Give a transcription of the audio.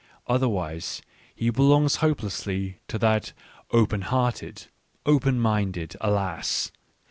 Otherwise he be longs hopelessly to that open hearted, open minded — alas